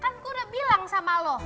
kan ku udah bilang sama lo